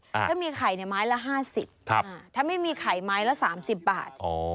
ถ้ามีไข่เนี้ยไม้ละห้าสิบครับถ้าไม่มีไข่ไม้ละสามสิบบาทอ๋อ